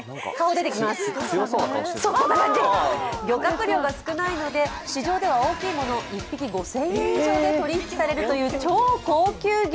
漁獲量が少ないので市場では１匹当たり５０００円以上で取引されるという超高級魚。